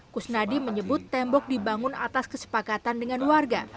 kusnadi menyebut tembok dibangun atas kesepakatan dengan warga